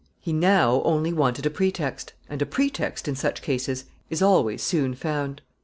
] He now only wanted a pretext, and a pretext in such cases is always soon found.